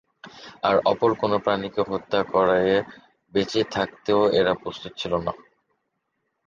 আর অপর কোন প্রাণীকে হত্যা করে বেঁচে থাকতেও এরা প্রস্তুত ছিল না।